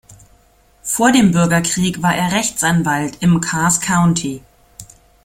Vor dem Bürgerkrieg war er Rechtsanwalt im Cass County.